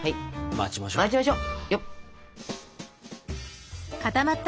待ちましょう。